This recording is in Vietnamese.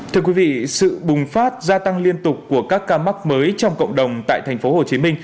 thưa quý vị sự bùng phát gia tăng liên tục của các ca mắc mới trong cộng đồng tại tp hcm